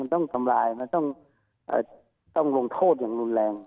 ต้องทำลายนะต้องลงโทษอย่างรุนแรง